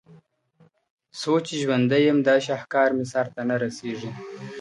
څو چې ژوندی یم دا شاهکار مې سر ته نه رسیږي